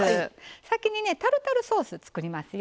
先にねタルタルソース作りますよ。